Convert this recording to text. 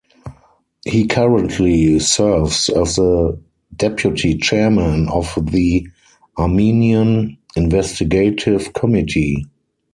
He currently serves as the deputy chairman of the Armenian Investigative Committee.